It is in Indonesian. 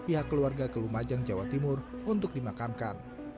pihak keluarga kelumajang jawa timur untuk dimakamkan